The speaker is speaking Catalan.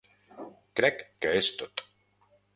Crec que és tot.